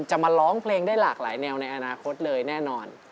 จะมาร้องเพลงได้หลากหลายแนวในอนาคตเลยแน่นอน